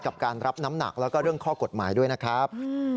กับการรับน้ำหนักแล้วก็เรื่องข้อกฎหมายด้วยนะครับ